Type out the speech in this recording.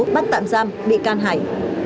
bắt tạm giam bị can hải